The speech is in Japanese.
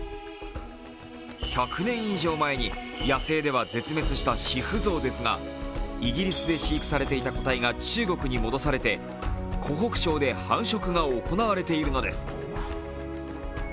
１００年以上前に野生では絶滅したシフゾウですが、イギリスで飼育されていた個体が中国に戻されて、湖北省で繁殖が行われているのです。